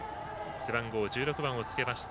背番号１６番をつけました